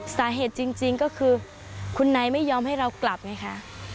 สาเหตุจริงก็คือคุณนายไม่ยอมให้เรากลับไงคะ